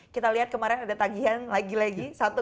kita lihat kemarin ada tagihan lagi lagi